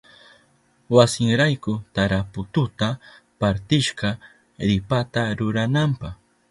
Wasinrayku tarapututa partishka ripata rurananpa.